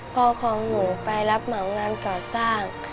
ของหนูไปรับเหมางานก่อสร้าง